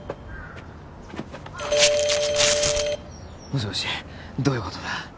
もしもしどういうことだ？